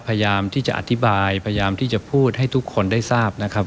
พยายามที่จะอธิบายพยายามที่จะพูดให้ทุกคนได้ทราบนะครับ